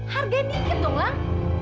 harganya dikit dong lang